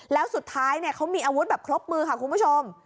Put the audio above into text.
แล้วสุดท้ายเขามีอาวุธแบบครบมือค่ะคุณผู้ชม